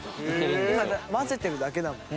混ぜてるだけだもんね。